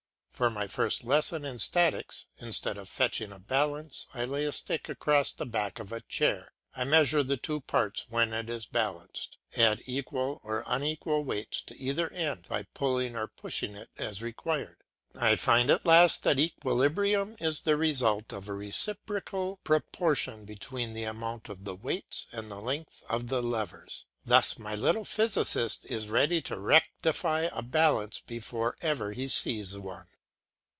For my first lesson in statics, instead of fetching a balance, I lay a stick across the back of a chair, I measure the two parts when it is balanced; add equal or unequal weights to either end; by pulling or pushing it as required, I find at last that equilibrium is the result of a reciprocal proportion between the amount of the weights and the length of the levers. Thus my little physicist is ready to rectify a balance before ever he sees one.